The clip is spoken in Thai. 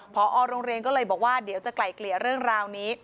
พอโรงเรียนก็เลยบอกว่าเดี๋ยวจะไกลเกลี่ยเรื่องราวนี้